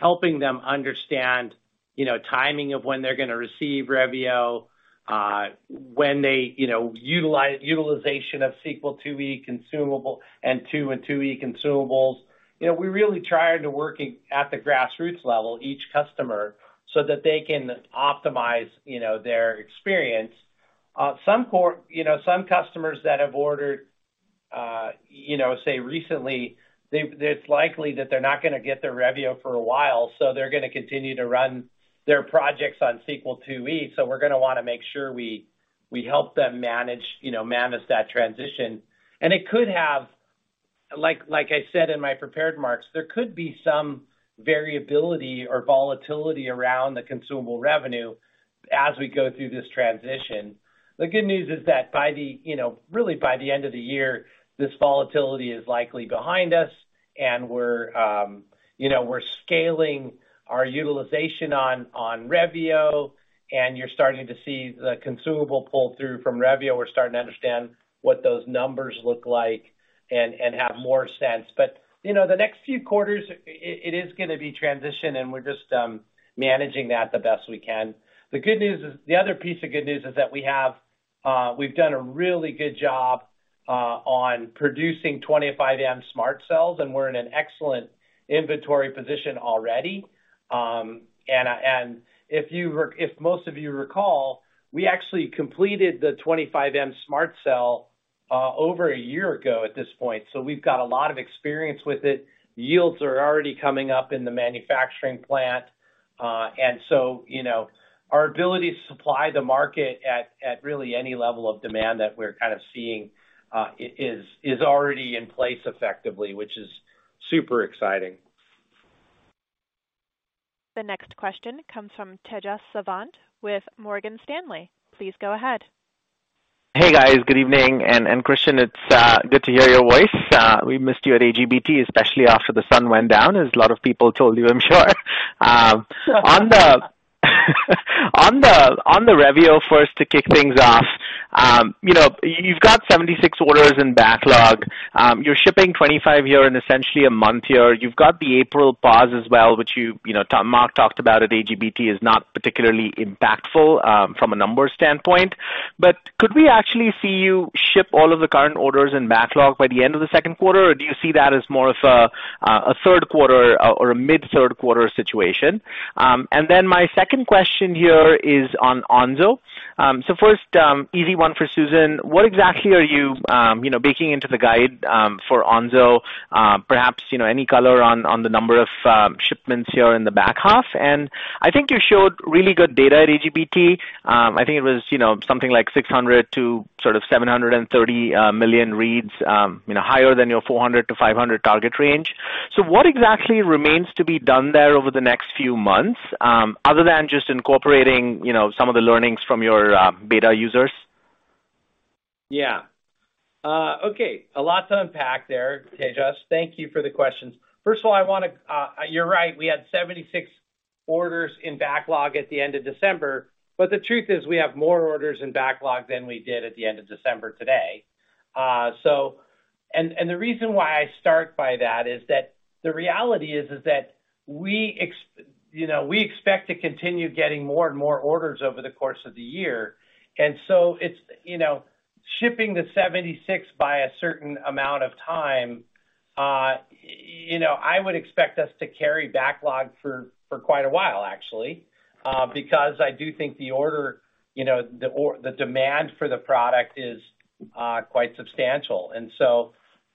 helping them understand, you know, timing of when they're gonna receive Revio, when they, you know, utilization of Sequel IIe consumable and II and IIe consumables. You know, we're really trying to work at the grassroots level, each customer, so that they can optimize, you know, their experience. Some customers that have ordered, you know, say recently, it's likely that they're not gonna get their Revio for a while, so they're gonna continue to run their projects on Sequel IIe. We're gonna wanna make sure we help them manage, you know, manage that transition. It could have... Like I said in my prepared marks, there could be some variability or volatility around the consumable revenue as we go through this transition. The good news is that by the, you know, really by the end of the year, this volatility is likely behind us and we're, you know, we're scaling our utilization on Revio, and you're starting to see the consumable pull-through from Revio. We're starting to understand what those numbers look like and have more sense. You know, the next few quarters, it is gonna be transition, and we're just managing that the best we can. The other piece of good news is that we have done a really good job on producing 25M SMRT Cells, and we're in an excellent inventory position already. If most of you recall, we actually completed the 25M SMRT Cell over a year ago at this point. We've got a lot of experience with it. Yields are already coming up in the manufacturing plant. You know, our ability to supply the market at really any level of demand that we're kind of seeing, is already in place effectively, which is super exciting. The next question comes from Tejas Savant with Morgan Stanley. Please go ahead. Hey, guys. Good evening. Christian, it's good to hear your voice. We missed you at AGBT, especially after the sun went down, as a lot of people told you, I'm sure. On the Revio first to kick things off, you know, you've got 76 orders in backlog. You're shipping 25 here in essentially a month here. You've got the April pause as well, which you know, Mark talked about at AGBT is not particularly impactful from a numbers standpoint. Could we actually see you ship all of the current orders in backlog by the end of the second quarter? Do you see that as more of a third quarter or a mid-third quarter situation? My second question here is on Onso. First, easy one for Susan, what exactly are you know, baking into the guide for Onso, perhaps, you know, any color on the number of shipments here in the back half? I think you showed really good data at AGBT. I think it was, you know, something like 600 million to 730 million reads, you know, higher than your 400 to 500 target range. What exactly remains to be done there over the next few months, other than just incorporating, you know, some of the learnings from your beta users? Yeah. Okay. A lot to unpack there, Tejas. Thank you for the questions. First of all, you're right, we had 76 orders in backlog at the end of December, but the truth is we have more orders in backlog than we did at the end of December today. The reason why I start by that is that the reality is that we expect, you know, we expect to continue getting more and more orders over the course of the year. It's, you know, shipping the 76 by a certain amount of time, you know, I would expect us to carry backlog for quite a while actually, because I do think the order, you know, the demand for the product is quite substantial.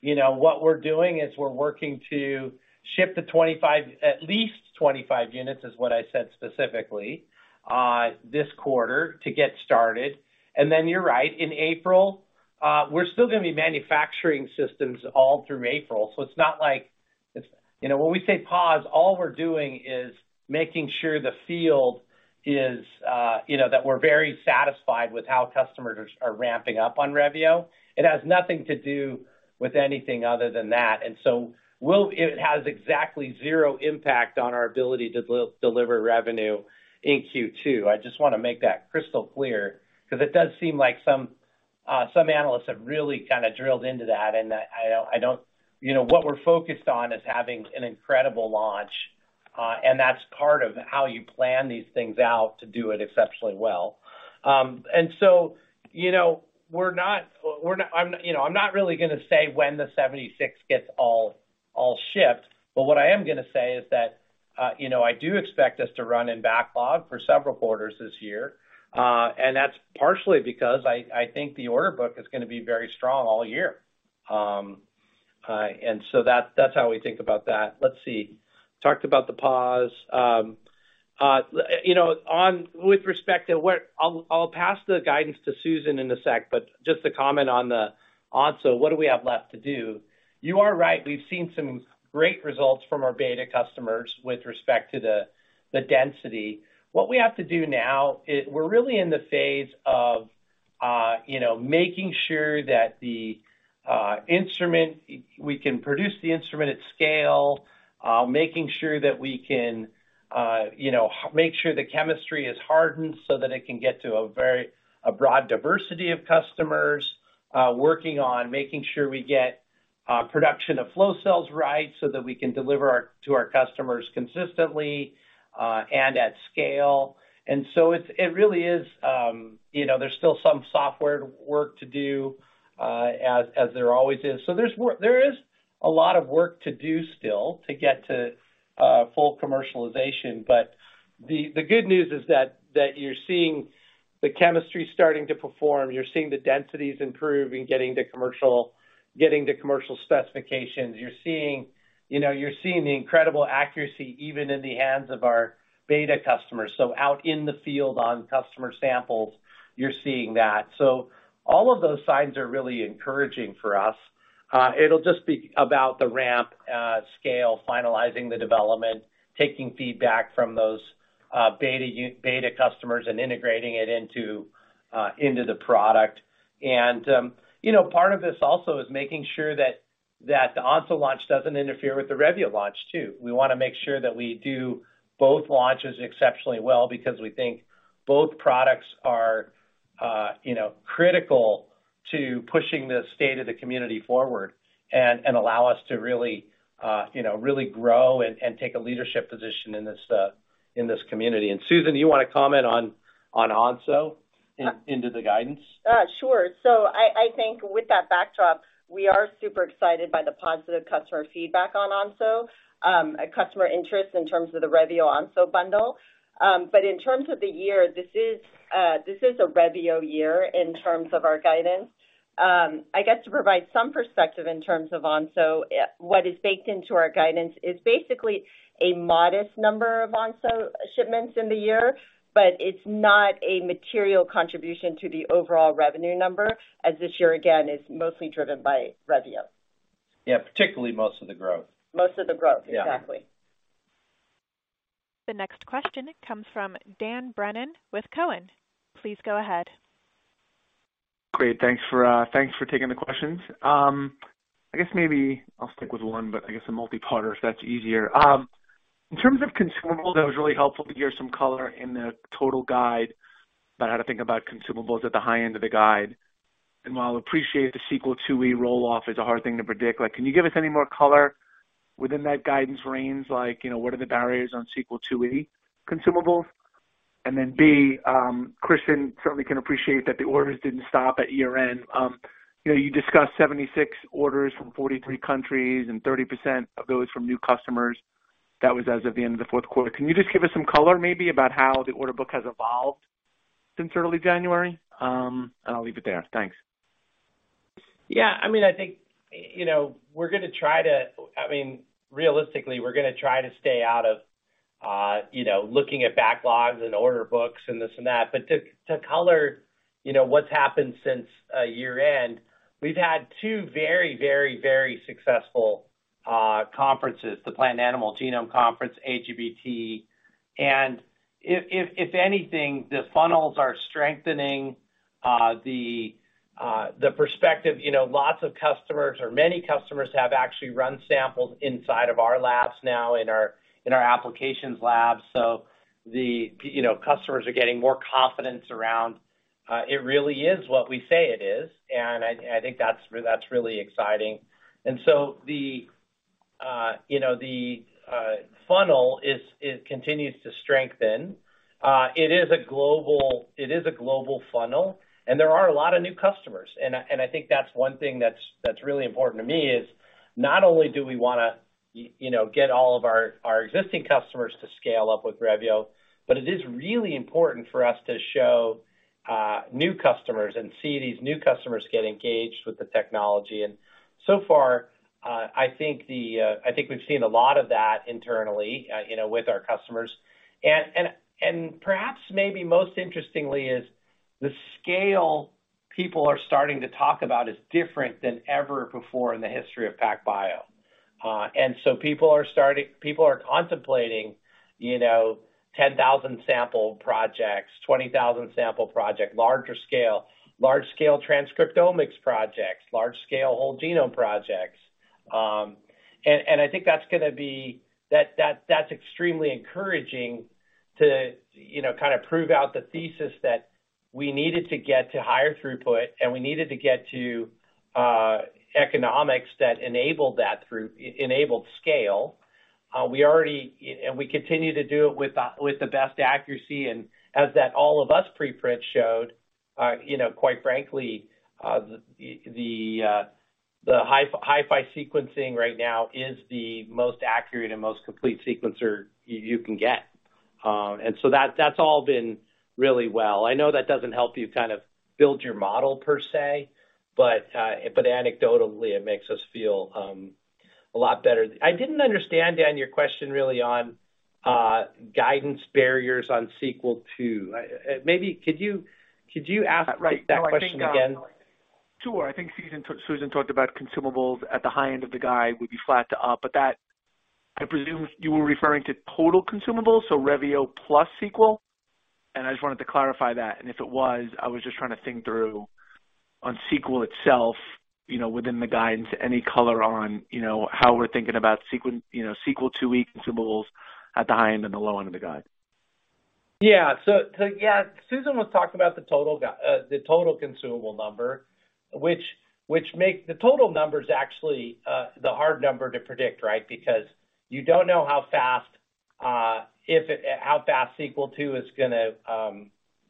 You know, what we're doing is we're working to ship at least 25 units, is what I said specifically, this quarter to get started. You're right, in April, we're still gonna be manufacturing systems all through April, so it's not like it's. You know, when we say pause, all we're doing is making sure the field is, you know, that we're very satisfied with how customers are ramping up on Revio. It has nothing to do with anything other than that. It has exactly zero impact on our ability to deliver revenue in Q2. I just wanna make that crystal clear, 'cause it does seem like some analysts have really kinda drilled into that, and I don't... You know, what we're focused on is having an incredible launch, that's part of how you plan these things out to do it exceptionally well. You know, we're not, you know, I'm not really gonna say when the 76 gets all shipped, but what I am gonna say is that, you know, I do expect us to run in backlog for several quarters this year, and that's partially because I think the order book is gonna be very strong all year. That's how we think about that. Let's see. Talked about the pause. You know, with respect to what... I'll pass the guidance to Susan in a second, but just to comment on the Onso, what do we have left to do? You are right, we've seen some great results from our beta customers with respect to the density. What we have to do now we're really in the phase of, you know, making sure that the instrument, we can produce the instrument at scale, making sure that we can, you know, make sure the chemistry is hardened so that it can get to a very broad diversity of customers, working on making sure we get production of flow cells right so that we can deliver to our customers consistently and at scale. It's, it really is, you know, there's still some software work to do as there always is. There is a lot of work to do still to get to full commercialization. The good news is that you're seeing the chemistry starting to perform, you're seeing the densities improve in getting to commercial, getting to commercial specifications. You're seeing, you know, you're seeing the incredible accuracy even in the hands of our beta customers. Out in the field on customer samples, you're seeing that. All of those signs are really encouraging for us. It'll just be about the ramp, scale, finalizing the development, taking feedback from those beta customers and integrating it into the product. You know, part of this also is making sure that the Onso launch doesn't interfere with the Revio launch too. We wanna make sure that we do both launches exceptionally well because we think both products are, you know, critical to pushing the state of the community forward and allow us to really, you know, really grow and take a leadership position in this, in this community. Susan, do you wanna comment on Onso into the guidance? Sure. I think with that backdrop, we are super excited by the positive customer feedback on Onso, customer interest in terms of the Revio-Onso bundle. In terms of the year, this is a Revio year in terms of our guidance. I guess to provide some perspective in terms of Onso, what is baked into our guidance is basically a modest number of Onso shipments in the year, but it's not a material contribution to the overall revenue number, as this year, again, is mostly driven by Revio. Yeah, particularly most of the growth. Most of the growth, exactly. Yeah. The next question comes from Dan Brennan with Cowen. Please go ahead. Great. Thanks for taking the questions. I guess maybe I'll stick with one, but I guess a multi-parter, so that's easier. In terms of consumables, that was really helpful to hear some color in the total guide about how to think about consumables at the high end of the guide? While I appreciate the Sequel IIe roll off is a hard thing to predict, like can you give us any more color within that guidance range? Like, you know, what are the barriers on Sequel IIe consumables? Then B, Christian certainly can appreciate that the orders didn't stop at year-end. You know, you discussed 76 orders from 43 countries and 30% of those from new customers. That was as of the end of the fourth quarter. Can you just give us some color maybe about how the order book has evolved since early January? I'll leave it there. Thanks. Yeah, I mean, I think, you know, realistically, we're gonna try to stay out of, you know, looking at backlogs and order books and this and that. To color, you know, what's happened since year-end, we've had two very successful conferences, the Plant and Animal Genome Conference, AGBT. If anything, the funnels are strengthening, the perspective, you know, lots of customers or many customers have actually run samples inside of our labs now in our applications lab. The, you know, customers are getting more confidence around it really is what we say it is. I think that's really exciting. The, you know, the funnel continues to strengthen. It is a global funnel. There are a lot of new customers. I think that's really important to me is not only do we wanna, you know, get all of our existing customers to scale up with Revio, but it is really important for us to show, new customers and see these new customers get engaged with the technology. So far, I think we've seen a lot of that internally, you know, with our customers. Perhaps maybe most interestingly is the scale people are starting to talk about is different than ever before in the history of PacBio. People are contemplating, you know, 10,000 sample projects, 20,000 sample project, larger scale, large scale transcriptomics projects, large scale whole genome projects. I think that's gonna be... that's extremely encouraging to, you know, kind of prove out the thesis that we needed to get to higher throughput, and we needed to get to economics that enable that enabled scale. We already, and we continue to do it with the best accuracy. As that All of Us preprint showed, you know, quite frankly, the HiFi sequencing right now is the most accurate and most complete sequencer you can get. So that's all been really well. I know that doesn't help you kind of build your model per se, but anecdotally, it makes us feel a lot better. I didn't understand, Dan, your question really on guidance barriers on Sequel II. Maybe could you ask that question again? Sure. I think Susan talked about consumables at the high end of the guide would be flat to up. That, I presume you were referring to total consumables, so Revio plus Sequel, and I just wanted to clarify that. If it was, I was just trying to think through on Sequel itself, you know, within the guidance, any color on, you know, how we're thinking about Sequel IIe consumables at the high end and the low end of the guide? Susan was talking about the total consumable number, which the total number is actually the hard number to predict, right? Because you don't know how fast Sequel II is gonna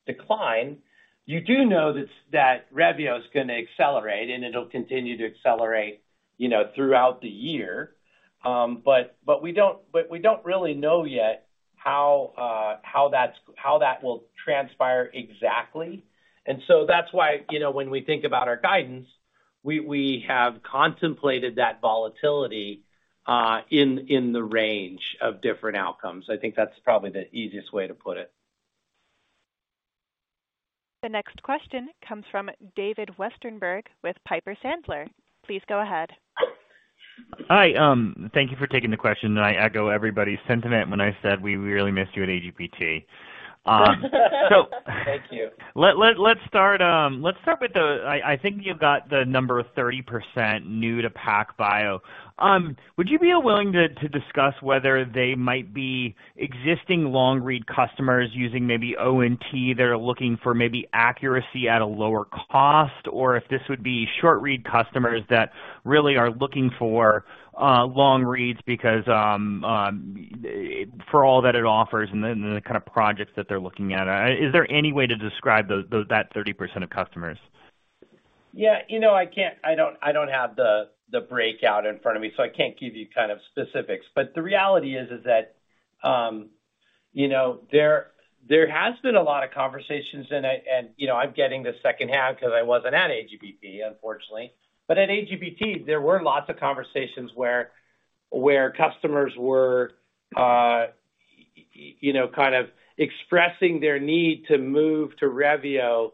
decline. You do know that Revio is gonna accelerate, and it'll continue to accelerate, you know, throughout the year. But we don't really know yet how that will transpire exactly. That's why, you know, when we think about our guidance, we have contemplated that volatility in the range of different outcomes. I think that's probably the easiest way to put it. The next question comes from David Westenberg with Piper Sandler. Please go ahead. Hi. thank you for taking the question. I echo everybody's sentiment when I said we really missed you at AGBT. Thank you. Let's start with the... I think you've got the number 30% new to PacBio. Would you be willing to discuss whether they might be existing long-read customers using maybe ONT that are looking for maybe accuracy at a lower cost, or if this would be short-read customers that really are looking for long reads because for all that it offers and then the kind of projects that they're looking at? Is there any way to describe that 30% of customers? Yeah. You know, I can't... I don't have the breakout in front of me, so I can't give you kind of specifics. The reality is that, you know, there has been a lot of conversations and, you know, I'm getting the second half 'cause I wasn't at AGBT, unfortunately. At AGBT, there were lots of conversations where customers were, you know, kind of expressing their need to move to Revio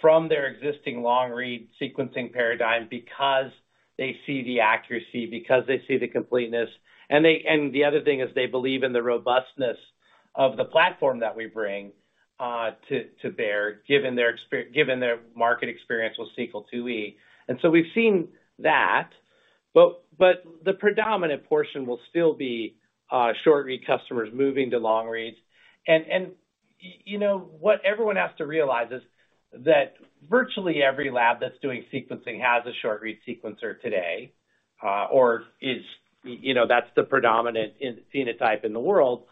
from their existing long-read sequencing paradigm because they see the accuracy, because they see the completeness. The other thing is they believe in the robustness of the platform that we bring to bear, given their market experience with Sequel IIe. We've seen that. But the predominant portion will still be short read customers moving to long reads. You know, what everyone has to realize is that virtually every lab that's doing sequencing has a short read sequencer today, or is, you know, that's the predominant phenotype in the world.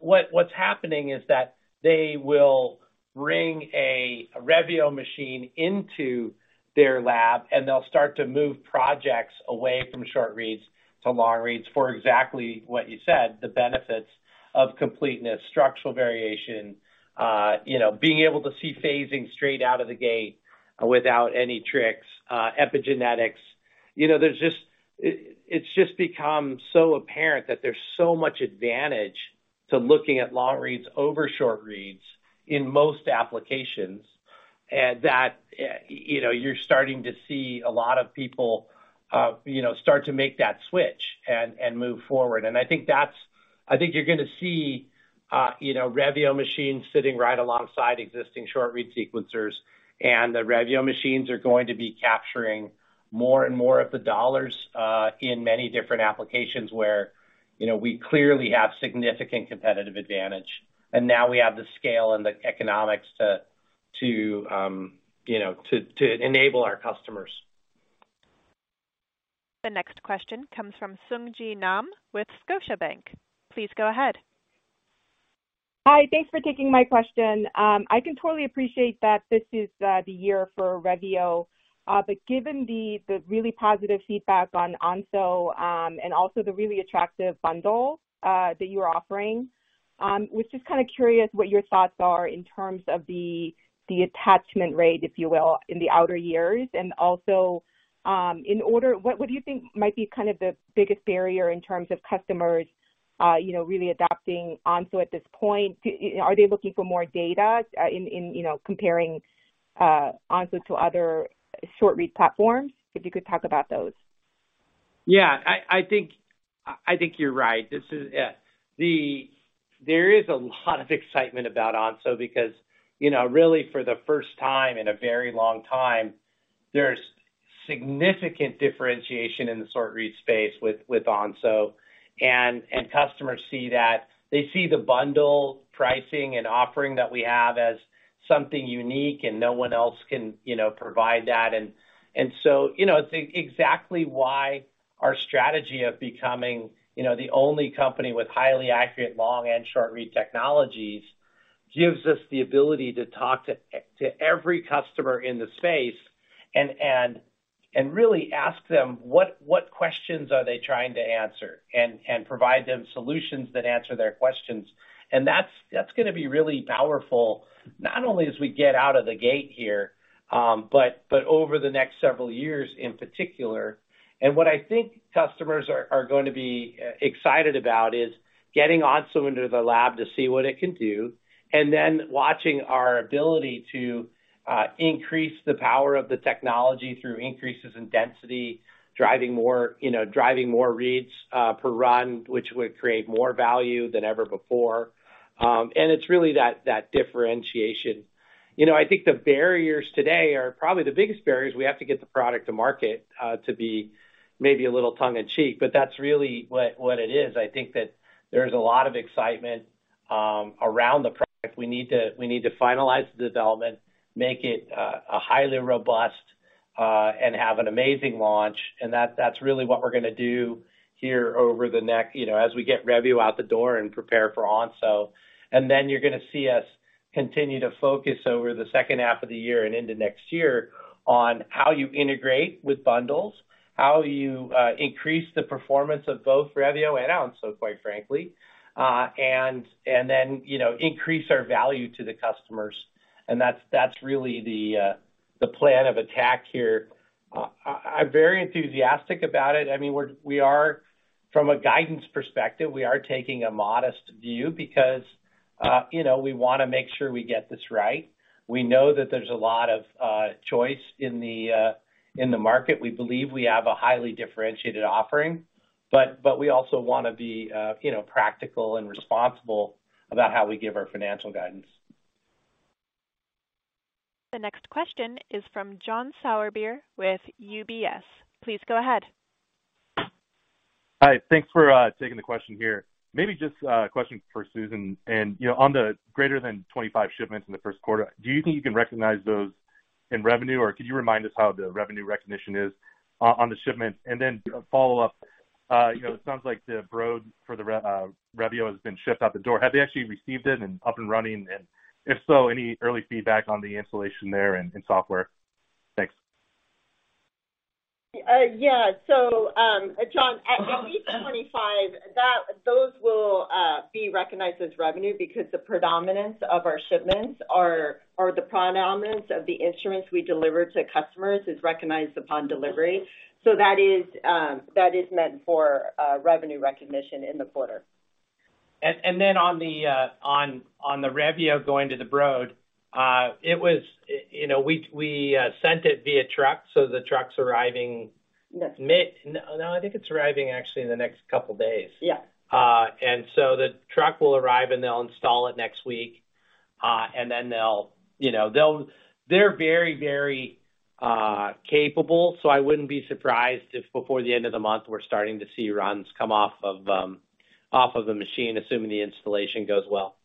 What's happening is that they will bring a Revio machine into their lab, and they'll start to move projects away from short reads to long reads for exactly what you said, the benefits of completeness, structural variation, you know, being able to see phasing straight out of the gate without any tricks, epigenetics. You know, it's just become so apparent that there's so much advantage to looking at long reads over short reads in most applications. That, you know, you're starting to see a lot of people, you know, start to make that switch and move forward. I think you're gonna see, you know, Revio machines sitting right alongside existing short read sequencers, and the Revio machines are going to be capturing more and more of the dollars, in many different applications where, you know, we clearly have significant competitive advantage. Now we have the scale and the economics to, you know, to enable our customers. The next question comes from Sung Ji Nam with Scotiabank. Please go ahead. Hi. Thanks for taking my question. I can totally appreciate that this is the year for Revio. But given the really positive feedback on Onso, and also the really attractive bundle that you're offering, we're just kind of curious what your thoughts are in terms of the attachment rate, if you will, in the outer years? What do you think might be kind of the biggest barrier in terms of customers, you know, really adopting Onso at this point? Are they looking for more data, in, you know, comparing Onso to other short read platforms? If you could talk about those. I think you're right. There's a lot of excitement about Onso because, you know, really for the first time in a very long time, there's significant differentiation in the short read space with Onso, and customers see that. They see the bundle pricing and offering that we have as something unique. No one else can, you know, provide that. You know, it's exactly why our strategy of becoming, you know, the only company with highly accurate long and short read technologies gives us the ability to talk to every customer in the space and really ask them what questions are they trying to answer and provide them solutions that answer their questions. That's, that's gonna be really powerful, not only as we get out of the gate here, but over the next several years in particular. What I think customers are going to be excited about is getting Onso into the lab to see what it can do, and then watching our ability to increase the power of the technology through increases in density, driving more, you know, driving more reads per run, which would create more value than ever before. It's really that differentiation. You know, I think the barriers today are probably the biggest barriers we have to get the product to market, to be maybe a little tongue in cheek, but that's really what it is. I think that there's a lot of excitement around the product. We need to finalize the development, make it a highly robust, and have an amazing launch. That's really what we're gonna do here over the next, you know, as we get Revio out the door and prepare for Onso. You're gonna see us continue to focus over the second half of the year and into next year on how you integrate with bundles, how you increase the performance of both Revio and Onso, quite frankly. You know, increase our value to the customers. That's really the plan of attack here. I'm very enthusiastic about it. I mean, we are From a guidance perspective, we are taking a modest view because, you know, we wanna make sure we get this right. We know that there's a lot of choice in the market. We believe we have a highly differentiated offering, but we also wanna be, you know, practical and responsible about how we give our financial guidance. The next question is from John Sourbeer with UBS. Please go ahead. Hi. Thanks for taking the question here. Maybe just a question for Susan. You know, on the greater than 25 shipments in the first quarter, do you think you can recognize those in revenue, or could you remind us how the revenue recognition is on the shipment? A follow-up. You know, it sounds like the Broad for the Revio has been shipped out the door. Have they actually received it and up and running? If so, any early feedback on the installation there and software? Thanks. Yeah. John, at least 25, those will be recognized as revenue because the predominance of our shipments are the predominance of the instruments we deliver to customers is recognized upon delivery. That is, that is meant for revenue recognition in the quarter. On the Revio going to the Broad, it was, you know, we sent it via truck, so the truck's arriving- Yes. No, I think it's arriving actually in the next couple days. Yeah. The truck will arrive, and they'll install it next week. They'll, you know, They're very, very capable, so I wouldn't be surprised if before the end of the month, we're starting to see runs come off of the machine, assuming the installation goes well.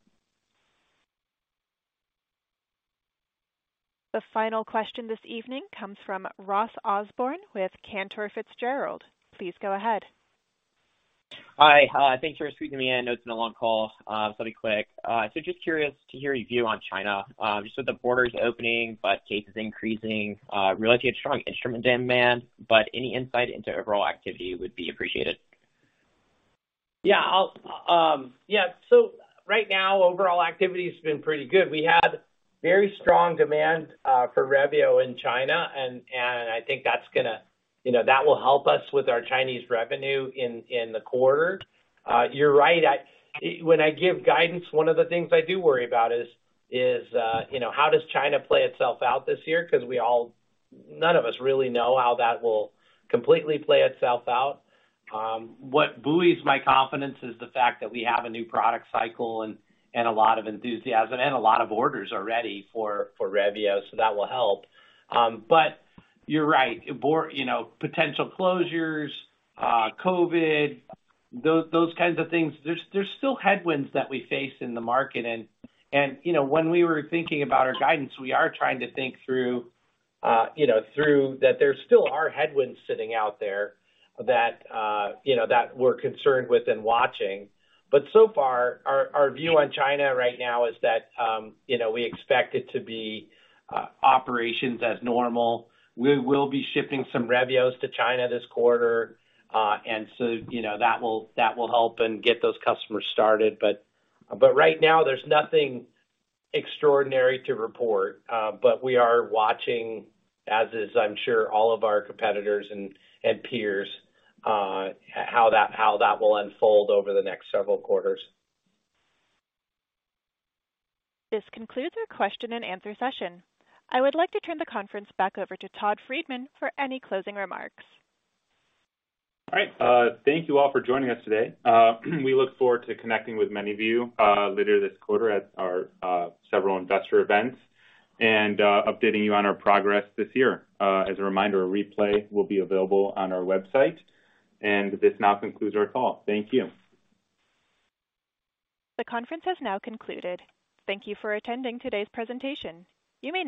The final question this evening comes from Ross Osborn with Cantor Fitzgerald. Please go ahead. Hi, thanks for squeezing me in. I know it's been a long call, so I'll be quick. Just curious to hear your view on China. You said the border is opening, but cases increasing, really strong instrument demand, but any insight into overall activity would be appreciated? Yeah, I'll right now, overall activity has been pretty good. We had very strong demand for Revio in China and I think that's gonna, you know, that will help us with our Chinese revenue in the quarter. You're right. When I give guidance, one of the things I do worry about is, you know, how does China play itself out this year? None of us really know how that will completely play itself out. What buoys my confidence is the fact that we have a new product cycle and a lot of enthusiasm and a lot of orders already for Revio, that will help. You're right. You know, potential closures, COVID, those kinds of things. There's still headwinds that we face in the market. You know, when we were thinking about our guidance, we are trying to think through, you know, through that there still are headwinds sitting out there that, you know, that we're concerned with and watching. So far, our view on China right now is that, you know, we expect it to be operations as normal. We will be shipping some Revios to China this quarter. You know, that will help and get those customers started. Right now, there's nothing extraordinary to report. We are watching, as is I'm sure all of our competitors and peers, how that will unfold over the next several quarters. This concludes our question and answer session. I would like to turn the conference back over to Todd Friedman for any closing remarks. All right. Thank you all for joining us today. We look forward to connecting with many of you later this quarter at our several investor events and updating you on our progress this year. As a reminder, a replay will be available on our website. This now concludes our call. Thank you. The conference has now concluded. Thank you for attending today's presentation. You may